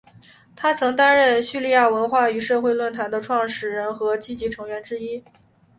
他曾担任叙利亚文化与社会论坛的创始人和积极成员之一。